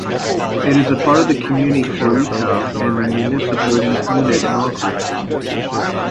It is part of the community Kareika and the municipal unit Movri.